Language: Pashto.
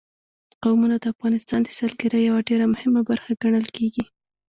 قومونه د افغانستان د سیلګرۍ یوه ډېره مهمه برخه ګڼل کېږي.